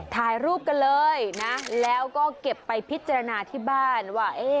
ถ่ายรูปกันเลยนะแล้วก็เก็บไปพิจารณาที่บ้านว่า